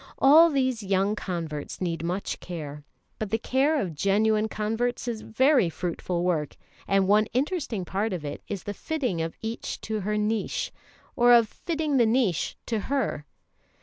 All these young converts need much care, but the care of genuine converts is very fruitful work; and one interesting part of it is the fitting of each to her niche, or of fitting the niche to her.